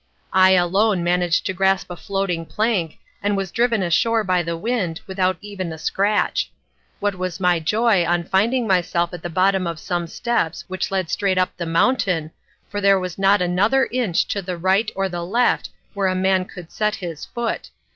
I alone managed to grasp a floating plank, and was driven ashore by the wind, without even a scratch. What was my joy on finding myself at the bottom of some steps which led straight up the mountain, for there was not another inch to the right or the left where a man could set his foot.